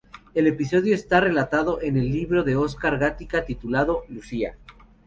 El episodio está relatado en el libro de Oscar Gatica titulado “"Lucía.